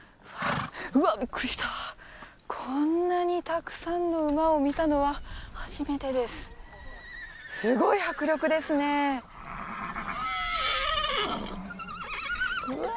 うわっびっくりしたこんなにたくさんの馬を見たのは初めてですすごい迫力ですねうわ